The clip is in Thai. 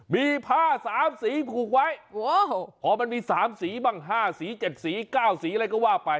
มีผ้าสามสีผูกไว้โหพอมันมีสามสีบ้างห้าสีเจ็ดสีเก้าสีอะไรก็ว่าไป